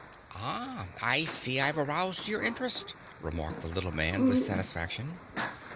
"Ah, I see I've aroused your interest," remarked the little man with satisfaction.